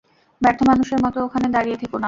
ব্যর্থ মানুষের মত ওখানে দাঁড়িয়ে থেকো না!